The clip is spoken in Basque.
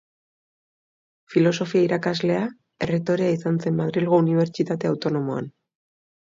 Filosofia irakaslea, erretorea izan zen Madrilgo Unibertsitate Autonomoan.